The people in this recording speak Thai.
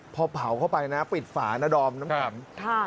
พอเผาเข้าไปนะปิดฝานะดอมน้ำแข็ง